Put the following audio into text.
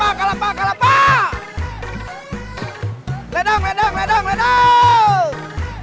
relang redang redang